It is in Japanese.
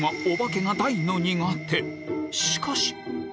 しかし